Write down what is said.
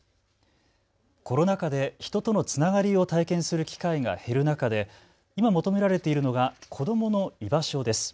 コロナ禍で人とのつながりを体験する機会が減る中で今、求められているのが子どもの居場所です。